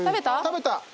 食べた。